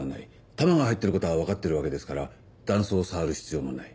弾が入ってることは分かってるわけですから弾倉を触る必要もない。